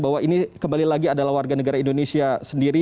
bahwa ini kembali lagi adalah warga negara indonesia sendiri